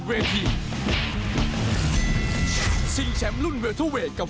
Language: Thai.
หรือว่าจะโดนรุ่นน้องเนี่ยเด็ดชัยนะครับ